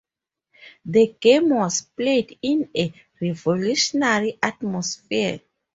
The game was played in a revolutionary atmosphere.